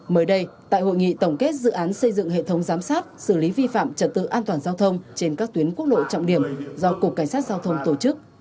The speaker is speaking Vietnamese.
mới đây tại hội nghị tổng kết dự án xây dựng hệ thống giám sát xử lý vi phạm trật tự an toàn giao thông trên các tuyến quốc lộ trọng điểm do cục cảnh sát giao thông tổ chức